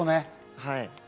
はい。